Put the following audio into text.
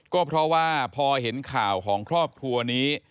ก็เพราะว่าพอเห็นข่าวของครอบครัวนี้